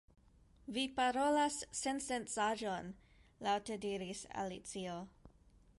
"Vi parolas sensencaĵon," laŭte diris Alicio.